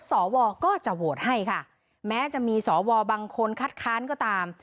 สวก็จะโหวตให้ค่ะแม้จะมีสวบางคนคัดค้านก็ตาม